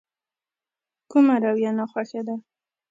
کومه رويه ناخوښه ده.